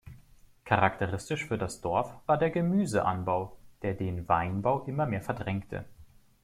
Charakteristisch für das Dorf war der Gemüseanbau, der den Weinbau immer mehr verdrängte.